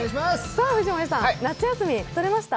藤森さん、夏休み取れました？